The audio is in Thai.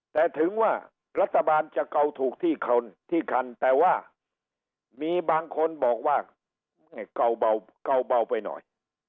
แต่ถึงว่ารัฐบาลจะเกาถูกที่คันแต่ว่ามีบางคนบอกว่าแม่เก่าเบาไปหน่อย